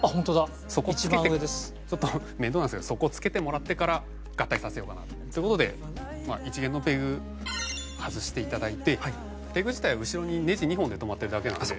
そこ付けてちょっと面倒なんですがそこ付けてもらってから合体させようかなと。って事で１弦のペグ外して頂いてペグ自体は後ろにネジ２本で留まってるだけなので。